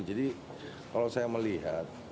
jadi kalau saya melihat